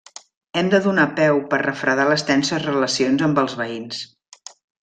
Hem de donar peu per refredar les tenses relacions amb els veïns.